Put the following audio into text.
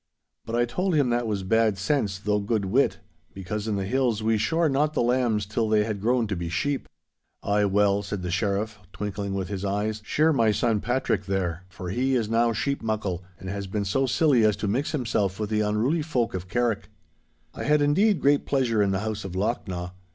But I told him that was bad sense though good wit—because in the hills we shore not the lambs till they had grown to be sheep. 'Ay, well,' said the Sheriff, twinkling with his eyes, 'shear my son Patrick there, for he is now sheep muckle, and has been so silly as to mix himself with the unruly folk of Carrick.' I had indeed great pleasure in the house of Lochnaw.